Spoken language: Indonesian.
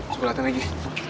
suka lateng lagi